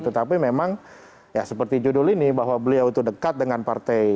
tetapi memang ya seperti judul ini bahwa beliau itu dekat dengan partai